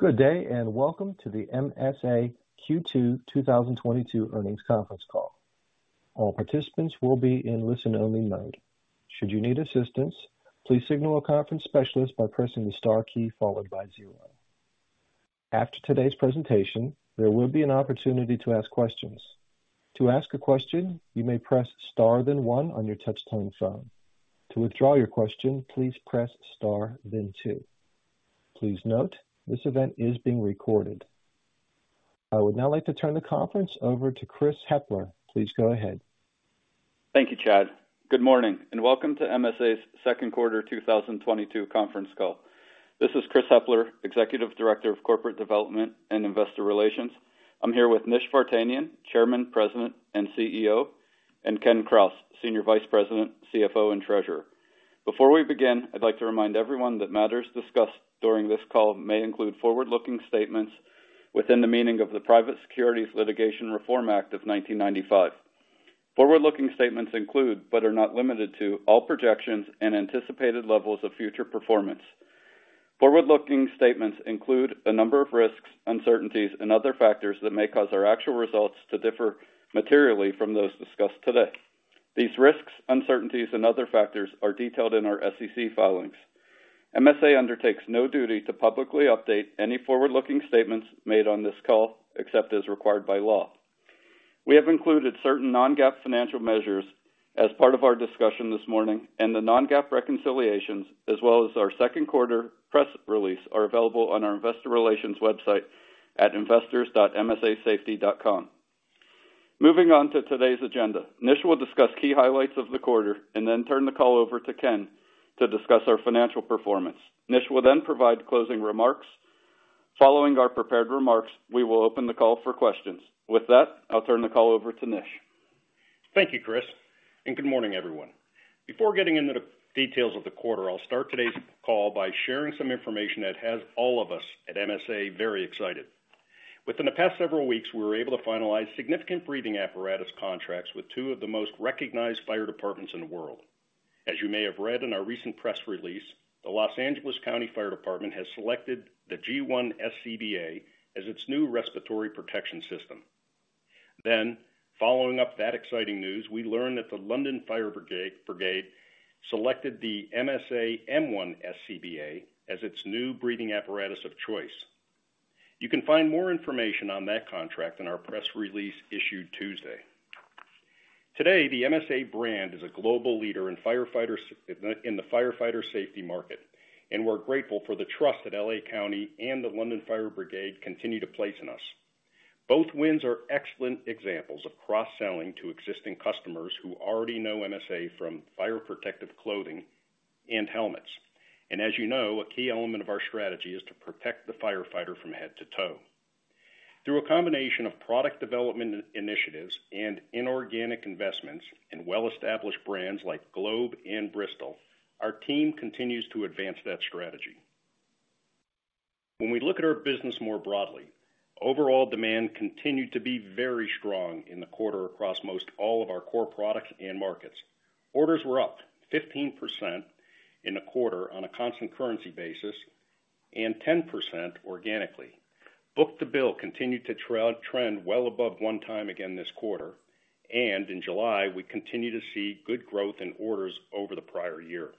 Good day, and welcome to the MSA Q2 2022 Earnings Conference Call. All participants will be in listen-only mode. Should you need assistance, please signal a conference specialist by pressing the star key followed by zero. After today's presentation, there will be an opportunity to ask questions. To ask a question, you may press star, then one on your touchtone phone. To withdraw your question, please press star then two. Please note, this event is being recorded. I would now like to turn the conference over to Chris Hepler. Please go ahead. Thank you, Chad. Good morning, and welcome to MSA's second quarter 2022 conference call. This is Chris Hepler, Executive Director of Corporate Development and Investor Relations. I'm here with Nish Vartanian, Chairman, President, and CEO, and Ken Kraus, Senior Vice President, CFO, and Treasurer. Before we begin, I'd like to remind everyone that matters discussed during this call may include forward-looking statements within the meaning of the Private Securities Litigation Reform Act of 1995. Forward-looking statements include, but are not limited to all projections and anticipated levels of future performance. Forward-looking statements include a number of risks, uncertainties, and other factors that may cause our actual results to differ materially from those discussed today. These risks, uncertainties, and other factors are detailed in our SEC filings. MSA undertakes no duty to publicly update any forward-looking statements made on this call, except as required by law. We have included certain non-GAAP financial measures as part of our discussion this morning, and the non-GAAP reconciliations, as well as our second quarter press release, are available on our investor relations website at investors.msasafety.com. Moving on to today's agenda. Nish will discuss key highlights of the quarter and then turn the call over to Ken to discuss our financial performance. Nish will then provide closing remarks. Following our prepared remarks, we will open the call for questions. With that, I'll turn the call over to Nish. Thank you, Chris, and good morning, everyone. Before getting into the details of the quarter, I'll start today's call by sharing some information that has all of us at MSA very excited. Within the past several weeks, we were able to finalize significant breathing apparatus contracts with two of the most recognized fire departments in the world. As you may have read in our recent press release, the Los Angeles County Fire Department has selected the G1 SCBA as its new respiratory protection system. Following up that exciting news, we learned that the London Fire Brigade selected the MSA M1 SCBA as its new breathing apparatus of choice. You can find more information on that contract in our press release issued Tuesday. Today, the MSA brand is a global leader in the firefighter safety market, and we're grateful for the trust that LA County and the London Fire Brigade continue to place in us. Both wins are excellent examples of cross-selling to existing customers who already know MSA from fire protective clothing and helmets. As you know, a key element of our strategy is to protect the firefighter from head to toe. Through a combination of product development initiatives and inorganic investments in well-established brands like Globe and Bristol, our team continues to advance that strategy. When we look at our business more broadly, overall demand continued to be very strong in the quarter across most all of our core products and markets. Orders were up 15% in the quarter on a constant currency basis and 10% organically. Book-to-bill continued to trend well above one time again this quarter, and in July, we continue to see good growth in orders over the prior year.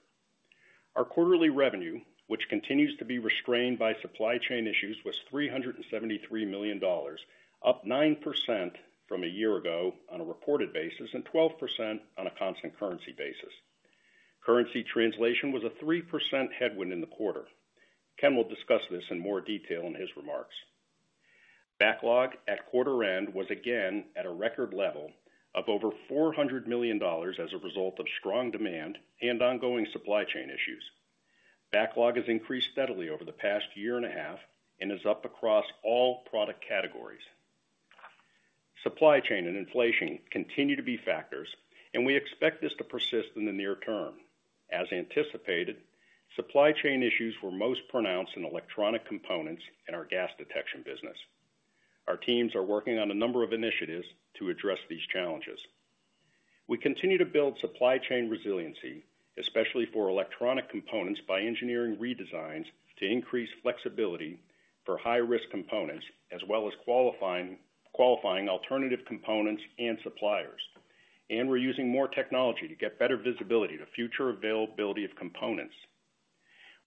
Our quarterly revenue, which continues to be restrained by supply chain issues, was $373 million, up 9% from a year ago on a reported basis, and 12% on a constant currency basis. Currency translation was a 3% headwind in the quarter. Ken will discuss this in more detail in his remarks. Backlog at quarter end was again at a record level of over $400 million as a result of strong demand and ongoing supply chain issues. Backlog has increased steadily over the past year and a half and is up across all product categories. Supply chain and inflation continue to be factors, and we expect this to persist in the near term. As anticipated, supply chain issues were most pronounced in electronic components in our gas detection business. Our teams are working on a number of initiatives to address these challenges. We continue to build supply chain resiliency, especially for electronic components, by engineering redesigns to increase flexibility for high-risk components, as well as qualifying alternative components and suppliers. We're using more technology to get better visibility to future availability of components.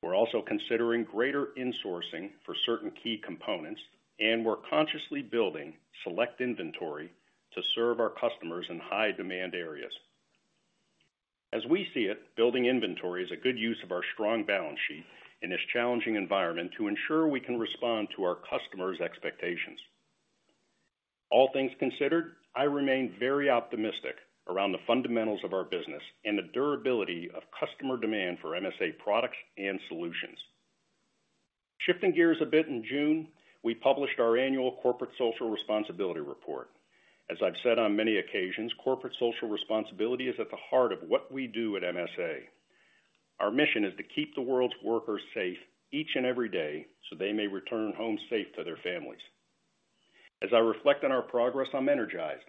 We're also considering greater insourcing for certain key components, and we're consciously building select inventory to serve our customers in high demand areas. As we see it, building inventory is a good use of our strong balance sheet in this challenging environment to ensure we can respond to our customers' expectations. All things considered, I remain very optimistic around the fundamentals of our business and the durability of customer demand for MSA products and solutions. Shifting gears a bit, in June, we published our annual corporate social responsibility report. As I've said on many occasions, corporate social responsibility is at the heart of what we do at MSA. Our mission is to keep the world's workers safe each and every day, so they may return home safe to their families. As I reflect on our progress, I'm energized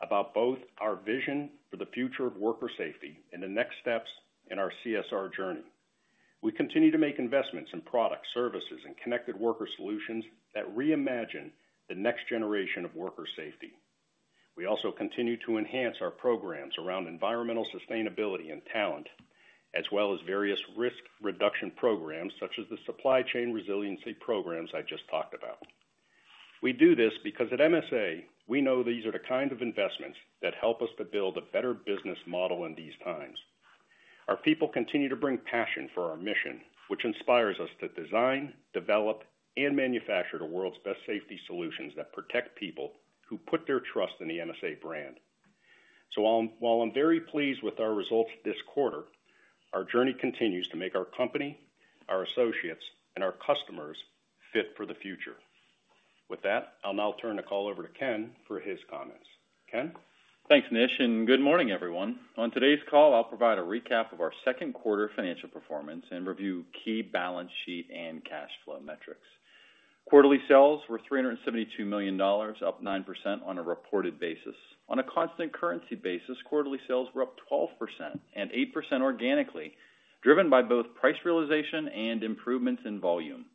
about both our vision for the future of worker safety and the next steps in our CSR journey. We continue to make investments in products, services, and connected worker solutions that reimagine the next generation of worker safety. We also continue to enhance our programs around environmental sustainability and talent, as well as various risk reduction programs such as the supply chain resiliency programs I just talked about. We do this because at MSA, we know these are the kind of investments that help us to build a better business model in these times. Our people continue to bring passion for our mission, which inspires us to design, develop, and manufacture the world's best safety solutions that protect people who put their trust in the MSA brand. While I'm very pleased with our results this quarter, our journey continues to make our company, our associates, and our customers fit for the future. With that, I'll now turn the call over to Ken for his comments. Ken? Thanks, Nish, and good morning, everyone. On today's call, I'll provide a recap of our second quarter financial performance and review key balance sheet and cash flow metrics. Quarterly sales were $372 million, up 9% on a reported basis. On a constant currency basis, quarterly sales were up 12% and 8% organically, driven by both price realization and improvements in volume.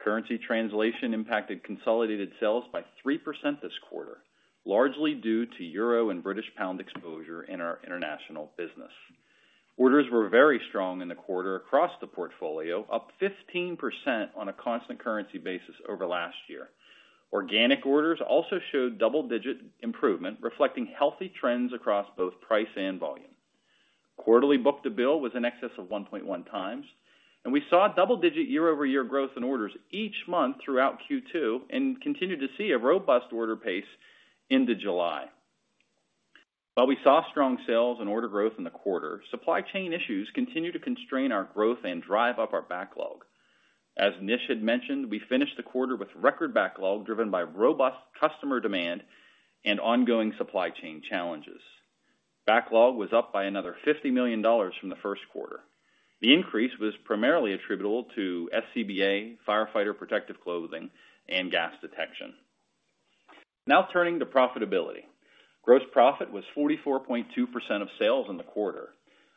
Currency translation impacted consolidated sales by 3% this quarter, largely due to euro and British pound exposure in our international business. Orders were very strong in the quarter across the portfolio, up 15% on a constant currency basis over last year. Organic orders also showed double-digit improvement, reflecting healthy trends across both price and volume. Quarterly book-to-bill was in excess of 1.1x, and we saw double-digit year-over-year growth in orders each month throughout Q2 and continued to see a robust order pace into July. While we saw strong sales and order growth in the quarter, supply chain issues continued to constrain our growth and drive up our backlog. As Nish had mentioned, we finished the quarter with record backlog driven by robust customer demand and ongoing supply chain challenges. Backlog was up by another $50 million from the first quarter. The increase was primarily attributable to SCBA, firefighter protective clothing, and gas detection. Now turning to profitability. Gross profit was 44.2% of sales in the quarter.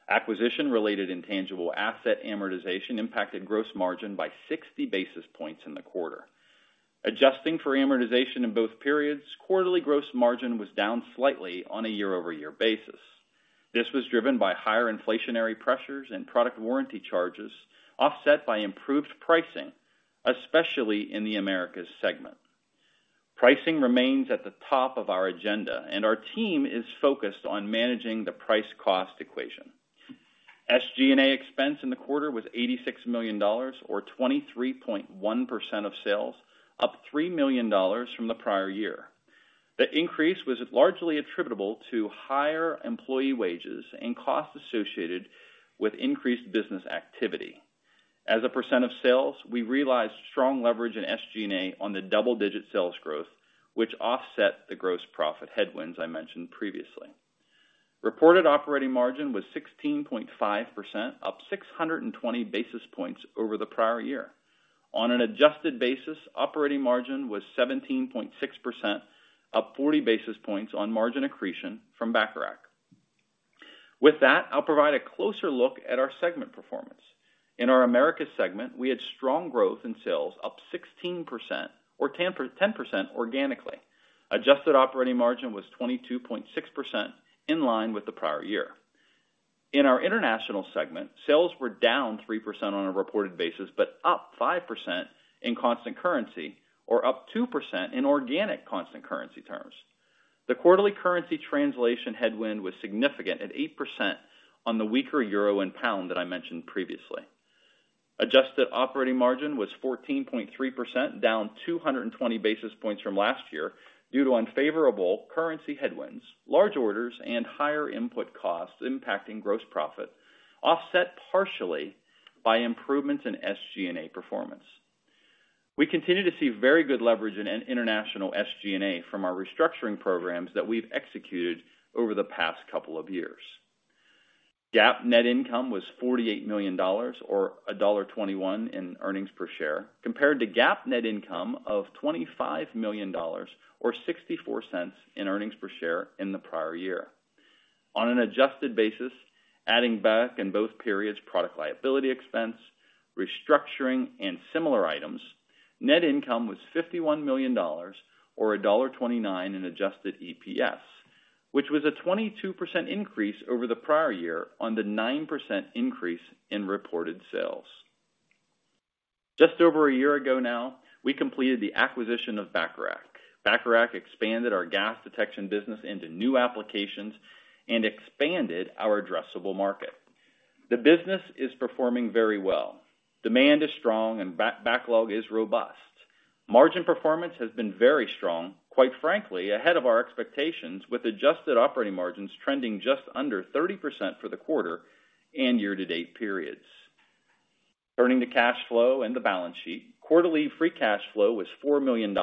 Acquisition-related intangible asset amortization impacted gross margin by 60 basis points in the quarter. Adjusting for amortization in both periods, quarterly gross margin was down slightly on a year-over-year basis. This was driven by higher inflationary pressures and product warranty charges offset by improved pricing, especially in the Americas segment. Pricing remains at the top of our agenda, and our team is focused on managing the price-cost equation. SG&A expense in the quarter was $86 million or 23.1% of sales, up $3 million from the prior year. The increase was largely attributable to higher employee wages and costs associated with increased business activity. As a percent of sales, we realized strong leverage in SG&A on the double-digit sales growth, which offset the gross profit headwinds I mentioned previously. Reported operating margin was 16.5%, up 620 basis points over the prior year. On an adjusted basis, operating margin was 17.6%, up 40 basis points on margin accretion from Bacharach. With that, I'll provide a closer look at our segment performance. In our Americas segment, we had strong growth in sales up 16% or 10% organically. Adjusted operating margin was 22.6% in line with the prior year. In our international segment, sales were down 3% on a reported basis, but up 5% in constant currency or up 2% in organic constant currency terms. The quarterly currency translation headwind was significant at 8% on the weaker euro and pound that I mentioned previously. Adjusted operating margin was 14.3%, down 220 basis points from last year due to unfavorable currency headwinds, large orders, and higher input costs impacting gross profit, offset partially by improvements in SG&A performance. We continue to see very good leverage in an international SG&A from our restructuring programs that we've executed over the past couple of years. GAAP net income was $48 million or $1.21 in earnings per share, compared to GAAP net income of $25 million or $0.64 in earnings per share in the prior year. On an adjusted basis, adding back in both periods product liability expense, restructuring, and similar items, net income was $51 million or $1.29 in adjusted EPS, which was a 22% increase over the prior year on the 9% increase in reported sales. Just over a year ago now, we completed the acquisition of Bacharach. Bacharach expanded our gas detection business into new applications and expanded our addressable market. The business is performing very well. Demand is strong and backlog is robust. Margin performance has been very strong, quite frankly, ahead of our expectations, with adjusted operating margins trending just under 30% for the quarter and year-to-date periods. Turning to cash flow and the balance sheet. Quarterly Free Cash Flow was $4 million.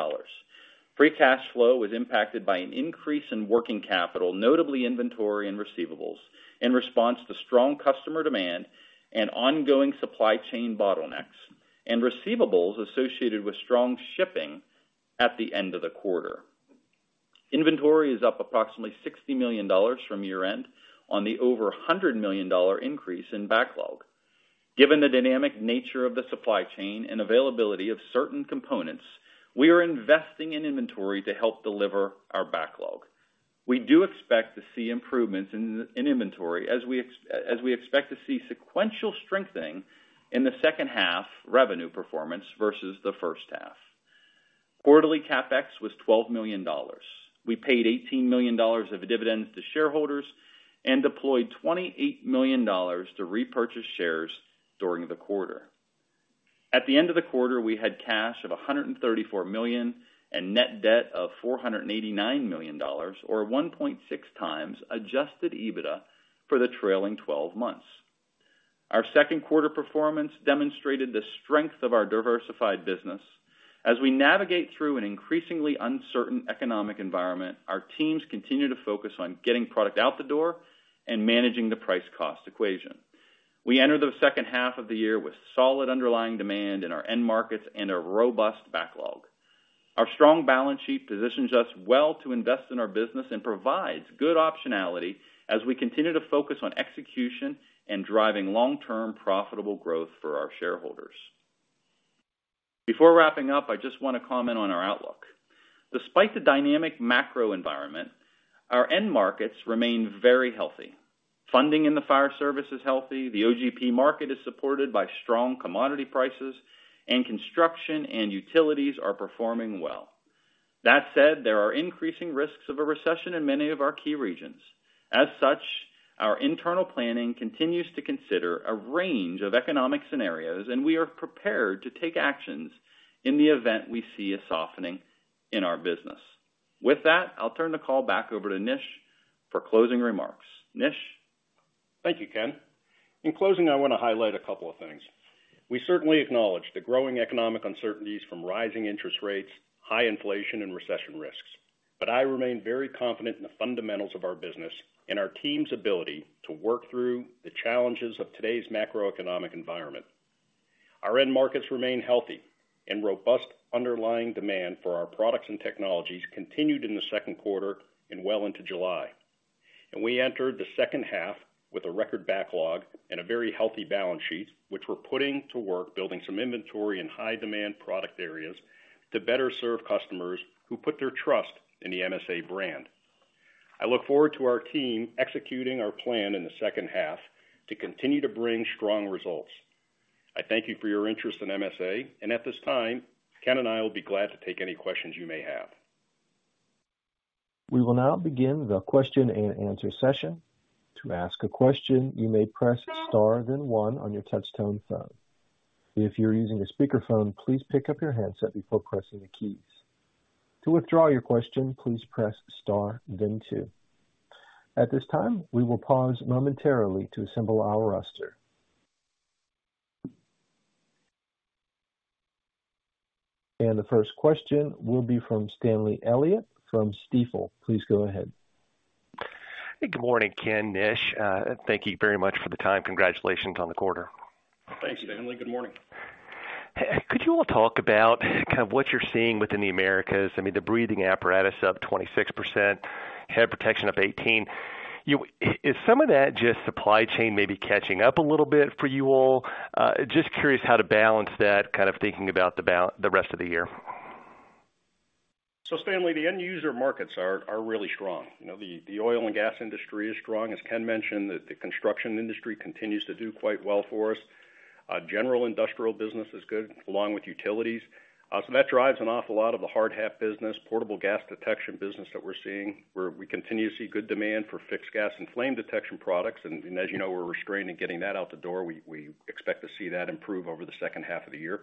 Free cash flow was impacted by an increase in working capital, notably inventory and receivables, in response to strong customer demand and ongoing supply chain bottlenecks, and receivables associated with strong shipping at the end of the quarter. Inventory is up approximately $60 million from year-end on the over $100 million increase in backlog. Given the dynamic nature of the supply chain and availability of certain components, we are investing in inventory to help deliver our backlog. We do expect to see improvements in inventory as we expect to see sequential strengthening in the second half revenue performance versus the first half. Quarterly CapEx was $12 million. We paid $18 million of dividends to shareholders and deployed $28 million to repurchase shares during the quarter. At the end of the quarter, we had cash of $134 million and net debt of $489 million or 1.6x adjusted EBITDA for the trailing 12 months. Our second quarter performance demonstrated the strength of our diversified business. As we navigate through an increasingly uncertain economic environment, our teams continue to focus on getting product out the door and managing the price-cost equation. We enter the second half of the year with solid underlying demand in our end markets and a robust backlog. Our strong balance sheet positions us well to invest in our business and provides good optionality as we continue to focus on execution and driving long-term profitable growth for our shareholders. Before wrapping up, I just wanna comment on our outlook. Despite the dynamic macro environment, our end markets remain very healthy. Funding in the fire service is healthy, the OGP market is supported by strong commodity prices, and construction and utilities are performing well. That said, there are increasing risks of a recession in many of our key regions. As such, our internal planning continues to consider a range of economic scenarios, and we are prepared to take actions in the event we see a softening in our business. With that, I'll turn the call back over to Nish for closing remarks. Nish? Thank you, Ken. In closing, I wanna highlight a couple of things. We certainly acknowledge the growing economic uncertainties from rising interest rates, high inflation, and recession risks. I remain very confident in the fundamentals of our business and our team's ability to work through the challenges of today's macroeconomic environment. Our end markets remain healthy, and robust underlying demand for our products and technologies continued in the second quarter and well into July. We entered the second half with a record backlog and a very healthy balance sheet, which we're putting to work building some inventory in high demand product areas to better serve customers who put their trust in the MSA brand. I look forward to our team executing our plan in the second half to continue to bring strong results. I thank you for your interest in MSA. At this time, Ken and I will be glad to take any questions you may have. We will now begin the question-and-answer session. To ask a question, you may press star then one on your touchtone phone. If you're using a speakerphone, please pick up your handset before pressing the keys. To withdraw your question, please press star then two. At this time, we will pause momentarily to assemble our roster. The first question will be from Stanley Elliott from Stifel. Please go ahead. Hey, good morning, Ken, Nish. Thank you very much for the time. Congratulations on the quarter. Thanks, Stanley. Good morning. Could you all talk about kind of what you're seeing within the Americas? I mean, the breathing apparatus up 26%, head protection up 18. Is some of that just supply chain maybe catching up a little bit for you all? Just curious how to balance that kind of thinking about the rest of the year. Stanley, the end user markets are really strong. You know, the oil and gas industry is strong. As Ken mentioned, the construction industry continues to do quite well for us. General industrial business is good, along with utilities. So that drives an awful lot of the hard hat business, portable gas detection business that we're seeing, where we continue to see good demand for fixed gas and flame detection products. And as you know, we're restrained in getting that out the door. We expect to see that improve over the second half of the year.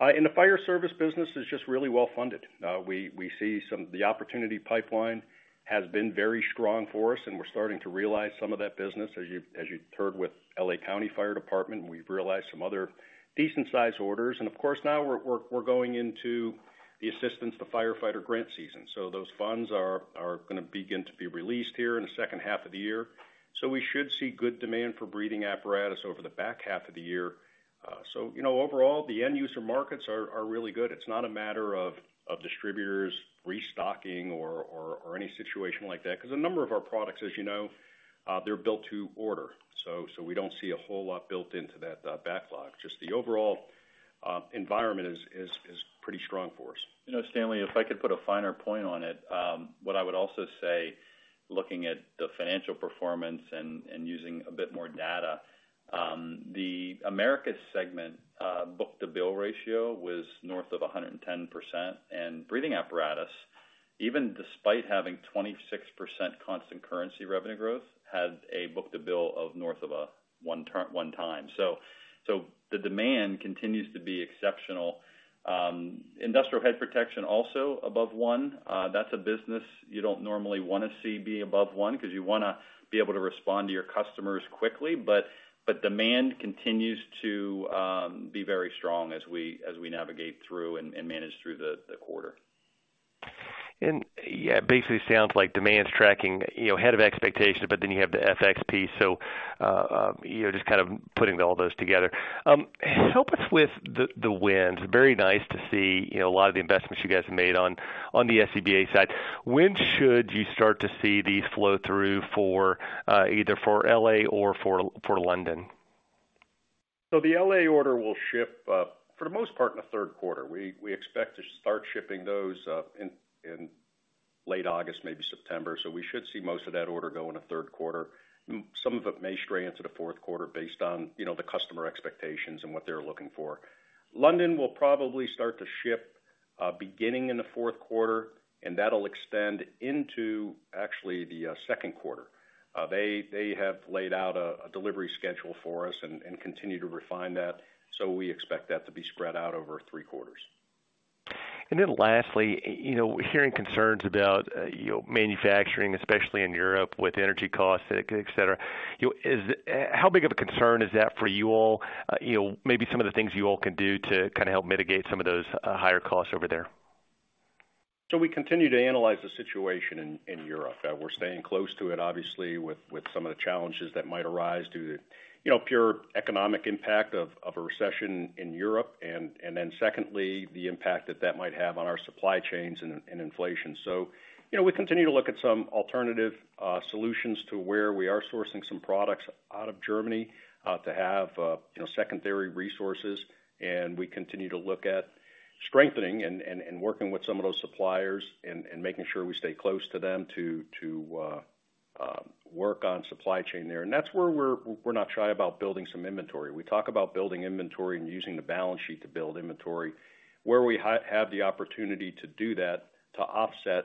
And the fire service business is just really well funded. We see the opportunity pipeline has been very strong for us, and we're starting to realize some of that business. As you heard with LA County Fire Department, we've realized some other decent-sized orders. Of course, now we're going into the Assistance to Firefighters Grant season. Those funds are gonna begin to be released here in the second half of the year. We should see good demand for breathing apparatus over the back half of the year. You know, overall, the end user markets are really good. It's not a matter of distributors restocking or any situation like that, 'cause a number of our products, as you know, they're built to order. We don't see a whole lot built into that backlog. Just the overall environment is pretty strong for us. You know, Stanley, if I could put a finer point on it, what I would also say, looking at the financial performance and using a bit more data, the Americas segment book-to-bill ratio was north of 110%. Breathing apparatus, even despite having 26% constant currency revenue growth, had a book-to-bill of north of one time. The demand continues to be exceptional. Industrial head protection also above one. That's a business you don't normally wanna see be above one 'cause you wanna be able to respond to your customers quickly. Demand continues to be very strong as we navigate through and manage through the quarter. Yeah, basically sounds like demand's tracking, you know, ahead of expectations, but then you have the FX headwind. You know, just kind of putting all those together. Help us with the wins. Very nice to see, you know, a lot of the investments you guys have made on the SCBA side. When should you start to see these flow through for either L.A. or London? The L.A. order will ship, for the most part in the third quarter. We expect to start shipping those in late August, maybe September. We should see most of that order go in the third quarter. Some of it may stray into the fourth quarter based on, you know, the customer expectations and what they're looking for. London will probably start to ship beginning in the fourth quarter, and that'll extend into actually the second quarter. They have laid out a delivery schedule for us and continue to refine that. We expect that to be spread out over three quarters. Then lastly, you know, hearing concerns about, you know, manufacturing, especially in Europe with energy costs, et cetera. You know, how big of a concern is that for you all? You know, maybe some of the things you all can do to kind of help mitigate some of those, higher costs over there. We continue to analyze the situation in Europe. We're staying close to it, obviously, with some of the challenges that might arise due to, you know, pure economic impact of a recession in Europe, and then secondly, the impact that that might have on our supply chains and inflation. You know, we continue to look at some alternative solutions to where we are sourcing some products out of Germany to have, you know, secondary resources. We continue to look at strengthening and working with some of those suppliers and making sure we stay close to them to work on supply chain there. That's where we're not shy about building some inventory. We talk about building inventory and using the balance sheet to build inventory. Where we have the opportunity to do that, to offset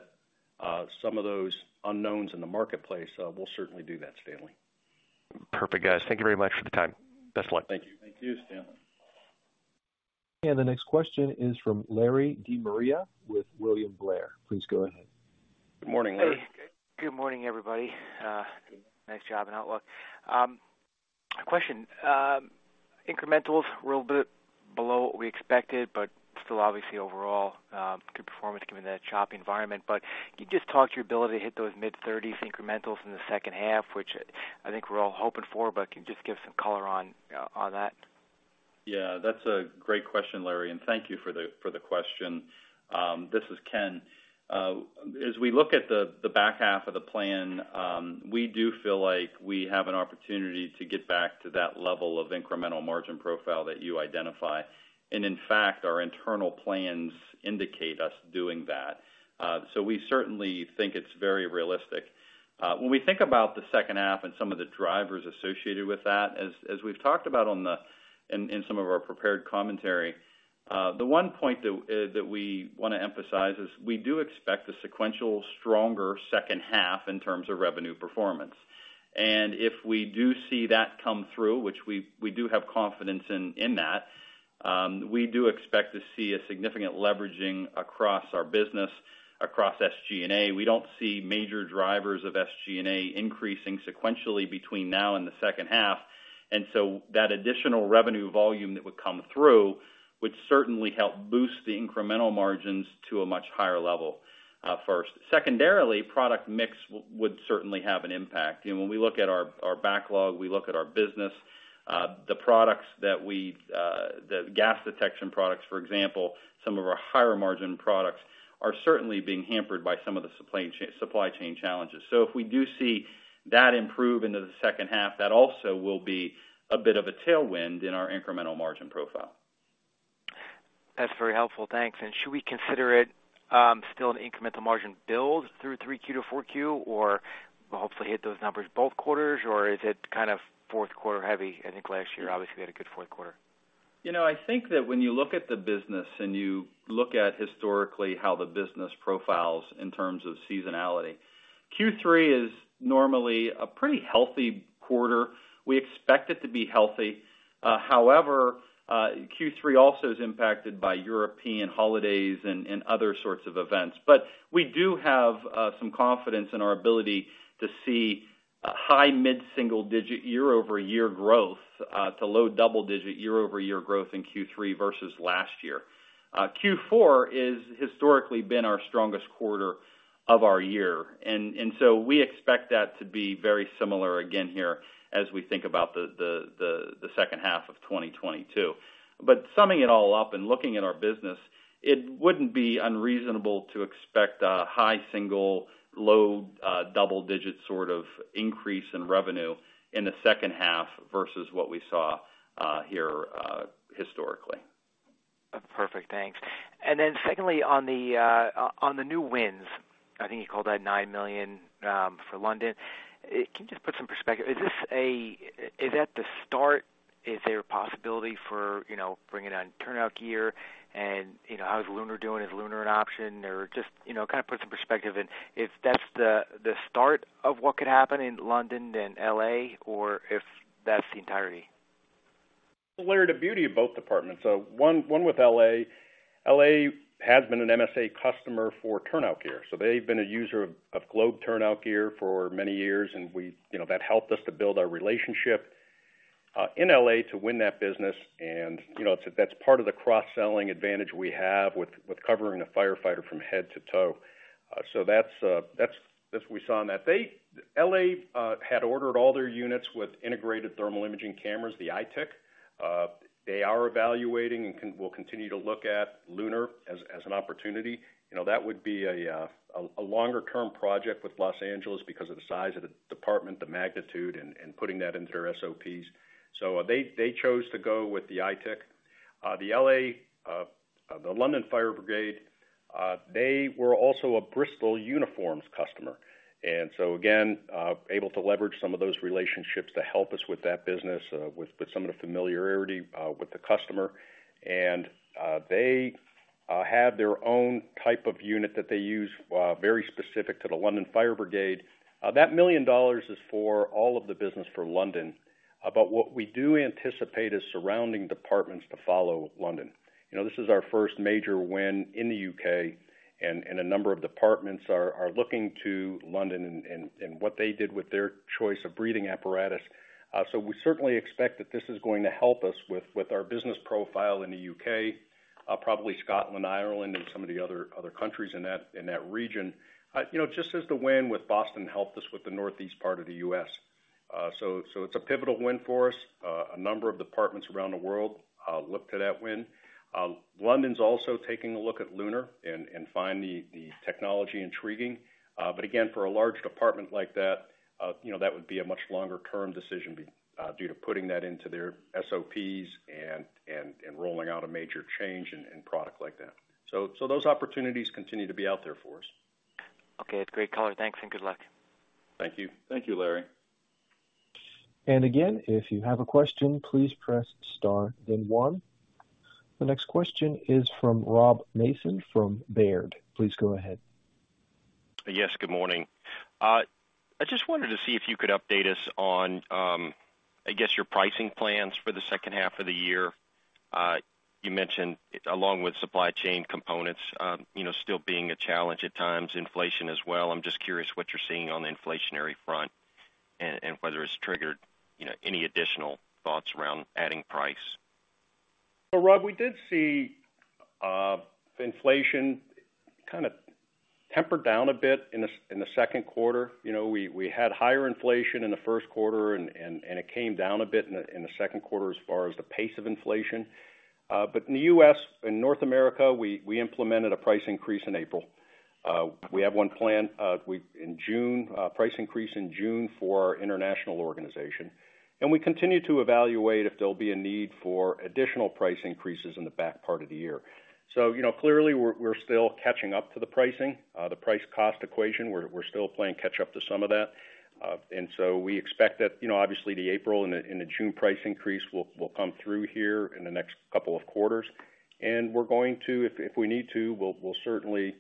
some of those unknowns in the marketplace, we'll certainly do that, Stanley. Perfect guys. Thank you very much for the time. Best of luck. Thank you. Thank you, Stanley. The next question is from Larry De Maria with William Blair. Please go ahead. Good morning, Larry. Hey. Good morning, everybody. Nice job on outlook. Question, incrementals were a little bit below what we expected, but still obviously overall good performance given the choppy environment. Can you just talk to your ability to hit those mid-thirties incrementals in the second half, which I think we're all hoping for, but can you just give some color on that? Yeah, that's a great question, Larry, and thank you for the question. This is Ken. As we look at the back half of the plan, we do feel like we have an opportunity to get back to that level of incremental margin profile that you identify. In fact, our internal plans indicate us doing that. So we certainly think it's very realistic. When we think about the second half and some of the drivers associated with that, as we've talked about in some of our prepared commentary, the one point that we wanna emphasize is we do expect a sequential stronger second half in terms of revenue performance. If we do see that come through, which we do have confidence in that, we do expect to see a significant leveraging across our business, across SG&A. We don't see major drivers of SG&A increasing sequentially between now and the second half. That additional revenue volume that would come through would certainly help boost the incremental margins to a much higher level, first. Secondarily, product mix would certainly have an impact. When we look at our backlog, we look at our business, the products that we, the gas detection products, for example, some of our higher margin products are certainly being hampered by some of the supply chain challenges. If we do see that improve into the second half, that also will be a bit of a tailwind in our incremental margin profile. Should we consider it still an incremental margin build through 3Q to 4Q, or we'll hopefully hit those numbers both quarters, or is it kind of fourth quarter heavy? I think last year, obviously you had a good fourth quarter. You know, I think that when you look at the business and you look at historically how the business profiles in terms of seasonality, Q3 is normally a pretty healthy quarter. We expect it to be healthy. However, Q3 also is impacted by European holidays and other sorts of events. But we do have some confidence in our ability to see a high mid-single digit year-over-year growth to low double digit year-over-year growth in Q3 versus last year. Q4 is historically been our strongest quarter of our year. We expect that to be very similar again here as we think about the second half of 2022. Summing it all up and looking at our business, it wouldn't be unreasonable to expect a high single-digit, low double-digit sort of increase in revenue in the second half versus what we saw here historically. Perfect. Thanks. Secondly, on the new wins, I think you called that $9 million for London. Can you just put some perspective? Is that the start? Is there a possibility for, you know, bringing on turnout gear and, you know, how's LUNAR doing? Is LUNAR an option? Or just, you know, kind of put some perspective in if that's the start of what could happen in London and L.A., or if that's the entirety. Larry, the beauty of both departments. One with L.A., L.A. Has been an MSA customer for turnout gear. They've been a user of Globe turnout gear for many years, and you know, that helped us to build our relationship in L,A, to win that business, and you know, that's part of the cross-selling advantage we have with covering a firefighter from head to toe. That's what we saw on that. They, L.A., had ordered all their units with integrated thermal imaging cameras, the iTIC. They are evaluating and will continue to look at LUNAR as an opportunity. You know, that would be a longer-term project with Los Angeles because of the size of the department, the magnitude, and putting that into their SOPs. They chose to go with the iTIC. The L.A., the London Fire Brigade, they were also a Bristol Uniforms customer. Again, able to leverage some of those relationships to help us with that business, with some of the familiarity with the customer. They have their own type of unit that they use, very specific to the London Fire Brigade. That $1 million is for all of the business for London. What we do anticipate is surrounding departments to follow London. You know, this is our first major win in the U.K., and a number of departments are looking to London and what they did with their choice of breathing apparatus. We certainly expect that this is going to help us with our business profile in the U.K., probably Scotland, Ireland, and some of the other countries in that region. You know, just as the win with Boston helped us with the Northeast part of the U.S. It's a pivotal win for us. A number of departments around the world look to that win. London's also taking a look at LUNAR and find the technology intriguing. But again, for a large department like that, you know, that would be a much longer-term decision due to putting that into their SOPs and rolling out a major change in product like that. Those opportunities continue to be out there for us. Okay. It's great color. Thanks and good luck. Thank you. Thank you, Larry. Again, if you have a question, please press star then one. The next question is from Rob Mason from Baird. Please go ahead. Yes, good morning. I just wanted to see if you could update us on, I guess your pricing plans for the second half of the year. You mentioned along with supply chain components, you know, still being a challenge at times, inflation as well. I'm just curious what you're seeing on the inflationary front and whether it's triggered, you know, any additional thoughts around adding price. Rob, we did see inflation kind of temper down a bit in the second quarter. We had higher inflation in the first quarter and it came down a bit in the second quarter as far as the pace of inflation. In the U.S., in North America, we implemented a price increase in April. We have one planned in June, price increase in June for our international organization. We continue to evaluate if there'll be a need for additional price increases in the back part of the year. Clearly we're still catching up to the pricing. The price cost equation, we're still playing catch up to some of that. We expect that, you know, obviously the April and June price increase will come through here in the next couple of quarters. We're going to, if we need to, we'll certainly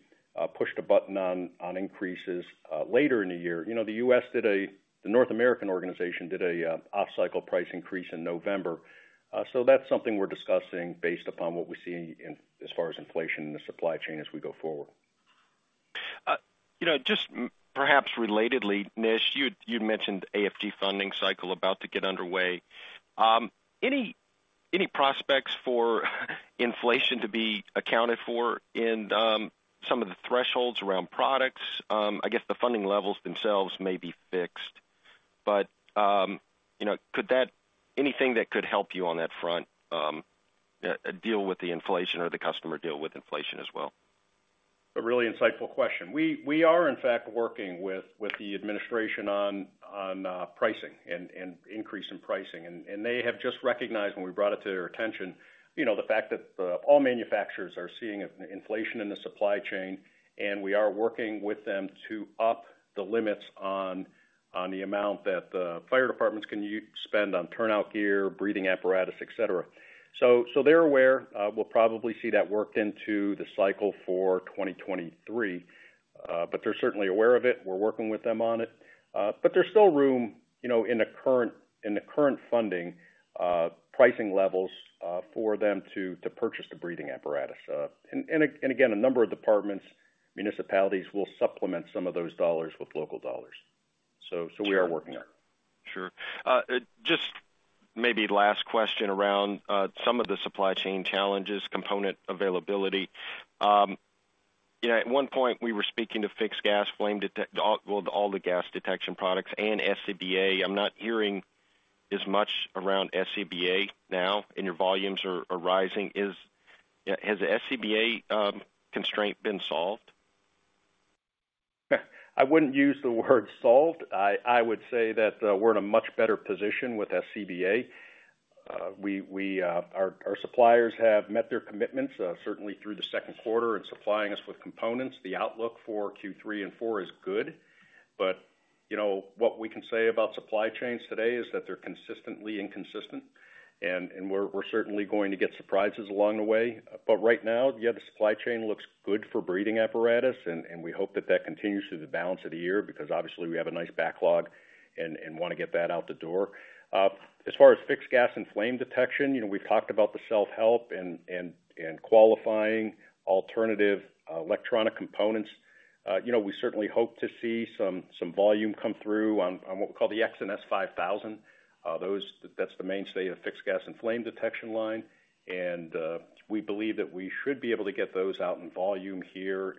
push the button on increases later in the year. You know, the U.S. did a—the North American organization did a off-cycle price increase in November. That's something we're discussing based upon what we see insofar as inflation in the supply chain as we go forward. You know, just perhaps relatedly, Nish, you mentioned AFG funding cycle about to get underway. Any prospects for inflation to be accounted for in some of the thresholds around products? I guess the funding levels themselves may be fixed, but you know, anything that could help you on that front deal with the inflation or the customer deal with inflation as well? A really insightful question. We are in fact working with the administration on pricing and increase in pricing. They have just recognized when we brought it to their attention, you know, the fact that all manufacturers are seeing an inflation in the supply chain, and we are working with them to up the limits on the amount that the fire departments can spend on turnout gear, breathing apparatus, et cetera. They're aware. We'll probably see that worked into the cycle for 2023. They're certainly aware of it. We're working with them on it. There's still room, you know, in the current funding pricing levels for them to purchase the breathing apparatus. Again, a number of departments, municipalities will supplement some of those dollars with local dollars. We are working on it. Sure. Just maybe last question around some of the supply chain challenges, component availability. You know, at one point we were speaking to all the gas detection products and SCBA. I'm not hearing as much around SCBA now, and your volumes are rising. Has the SCBA constraint been solved? I wouldn't use the word solved. I would say that we're in a much better position with SCBA. Our suppliers have met their commitments certainly through the second quarter in supplying us with components. The outlook for Q3 and Q4 is good. You know, what we can say about supply chains today is that they're consistently inconsistent and we're certainly going to get surprises along the way. Right now, yeah, the supply chain looks good for breathing apparatus and we hope that that continues through the balance of the year because obviously we have a nice backlog and wanna get that out the door. As far as fixed gas and flame detection, you know, we've talked about the self-help and qualifying alternative electronic components. You know, we certainly hope to see some volume come through on what we call the ULTIMA X5000. Those. That's the mainstay of fixed gas and flame detection line. We believe that we should be able to get those out in volume here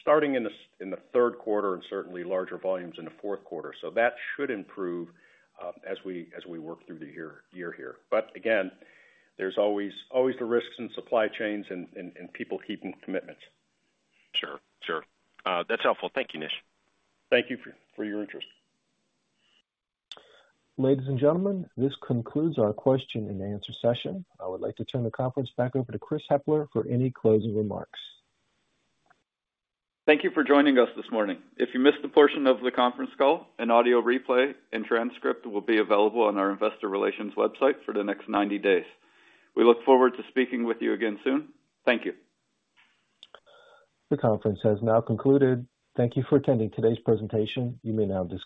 starting in the third quarter and certainly larger volumes in the fourth quarter. That should improve as we work through the year here. Again, there's always the risks in supply chains and people keeping commitments. Sure. That's helpful. Thank you, Nish. Thank you for your interest. Ladies and gentlemen, this concludes our question and answer session. I would like to turn the conference back over to Chris Hepler for any closing remarks. Thank you for joining us this morning. If you missed a portion of the conference call, an audio replay and transcript will be available on our investor relations website for the next 90 days. We look forward to speaking with you again soon. Thank you. The conference has now concluded. Thank you for attending today's presentation. You may now disconnect.